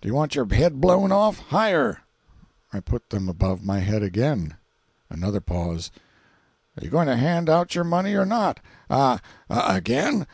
Do you want your head blown off? Higher!" I put them above my head again. Another pause. Are you going to hand out your money or not? Ah ah—again?